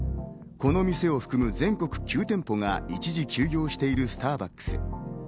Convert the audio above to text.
この店を含む全国９店舗が一時休業しているスターバックス。